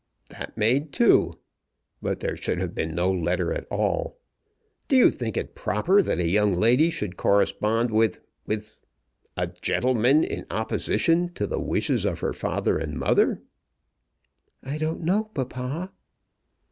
"That made two. But there should have been no letter at all. Do you think it proper that a young lady should correspond with, with, a gentleman in opposition to the wishes of her father and mother?" "I don't know, papa."